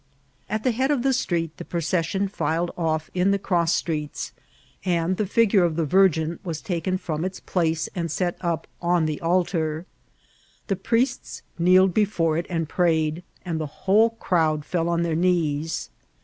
At the head of the street the procession filed off in the cross streets, and the figure of the Virgin was taken from its pbce and set up oh the altar. The priests kneel ed before it and prayed, and the whole crowd fell on their knees.